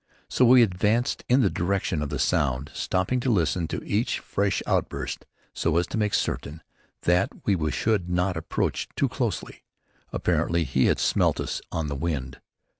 So we advanced in the direction of the sound, stopping to listen to each fresh outburst so as to make certain that we should not approach too closely. Apparently he had smelt us on the wind.